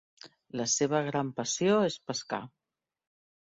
La seva gran passió és pescar.